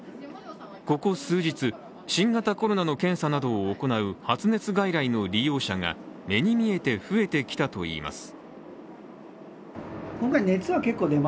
ここ数日、新型コロナの検査などを行う発熱外来の利用者が目に見えて増えてきたといいます。